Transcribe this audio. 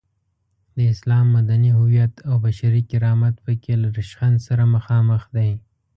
د اسلام مدني هویت او بشري کرامت په کې له ریشخند سره مخامخ دی.